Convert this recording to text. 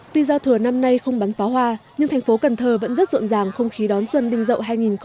tuy giao thừa năm nay không bắn pháo hoa nhưng thành phố cần thơ vẫn rất rộn ràng không khí đón xuân đinh dậu hai nghìn một mươi bảy